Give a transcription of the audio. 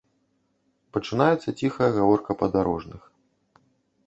Пачынаецца ціхая гаворка падарожных.